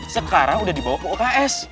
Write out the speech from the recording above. sekarang sudah dibawa ke uks